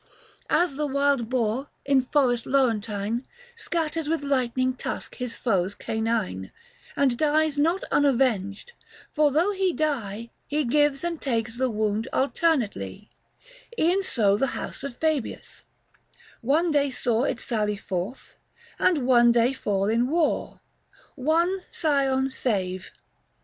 235 As the wild boar, in forest Laurentine, Scatters with lightning tusk his foes canine, And dies not unavenged, for though he die, He gives and takes the wound alternately, E'en so the House of Fabius ; one day saw 240 It sally forth, and one day fall in war. One scion save.